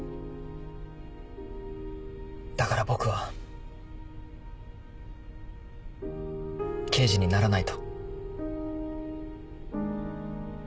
だから僕は刑事にならないと。